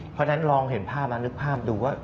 เพราะฉะนั้นลองเห็นภาพมานึกภาพดูว่า